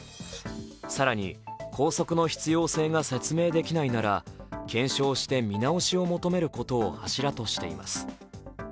更に校則の必要性が説明できないなら検証して見直しを求めることを柱としています。